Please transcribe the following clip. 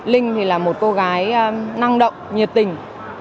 linh thì là một cô gái năng động nhiệt tình